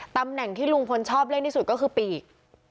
ตำแหน่งที่ลุงพลชอบเล่นที่สุดก็คือปีก